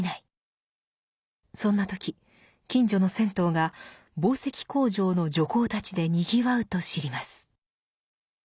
そんな時近所の銭湯が紡績工場の女工たちでにぎわうと知ります。